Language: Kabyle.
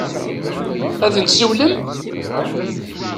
Ad n-tsiwlem?